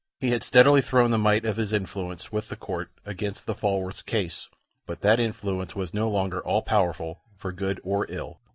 He had steadily thrown the might of his influence with the Court against the Falworths' case, but that influence was no longer all powerful for good or ill.